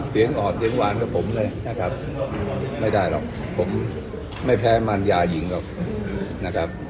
ออดเสียงหวานกับผมเลยนะครับไม่ได้หรอกผมไม่แพ้มันยาหญิงหรอกนะครับ